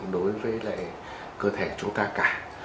đối với lại cơ thể chúng ta cả